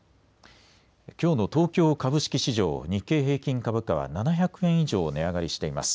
きょうの東京株式市場日経平均株価は７００円以上値上がりしています。